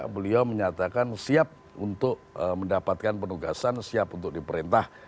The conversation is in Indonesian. beliau menyatakan siap untuk mendapatkan penugasan siap untuk diperintah